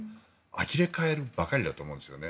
あきれ返るばかりだと思うんですよね。